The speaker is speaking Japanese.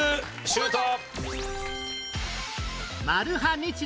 シュート！